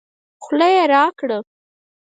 خوله يې راګړه